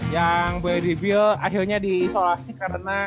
yang boleh di build akhirnya di isolasi karena